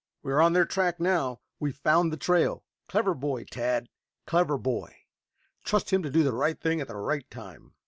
"We are on their track now. We've found the trail. Clever boy, Tad! Clever boy. Trust him to do the right thing at the right time."